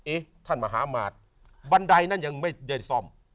เอ๊ะท่านมหาอำมาตย์บันไดนั่นยังไม่ได้ซ่อม